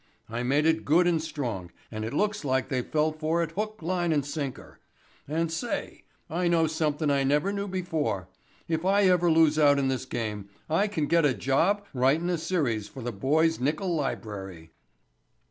I made it good and strong, and it looks like they fell for it hook, line and sinker. And say, I know somethin' I never knew before. If I ever lose out in this game I can get a job writin' a series for the Boy's Nickle Library."